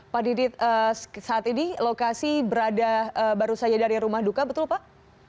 pak didit saat ini lokasi berada baru saja dari rumah duka betul pak